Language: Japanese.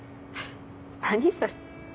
何それ。